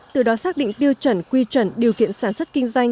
từ đó xác định tiêu chuẩn quy chuẩn điều kiện sản xuất kinh doanh